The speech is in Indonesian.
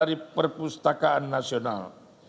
dari perpustakaan nasional